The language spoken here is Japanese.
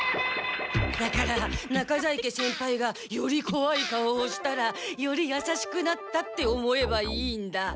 だから中在家先輩がよりこわい顔をしたらより優しくなったって思えばいいんだ。